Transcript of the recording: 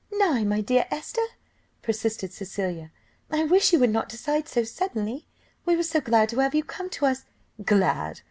"Nay, my dear Esther," persisted Cecilia, "I wish you would not decide so suddenly; we were so glad to have you come to us " "Glad!